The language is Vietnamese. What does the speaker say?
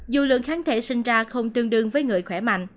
dù lượng kháng thể sinh ra không tương đương với người khỏe mạnh